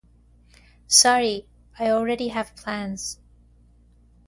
Sorry, I already have plans.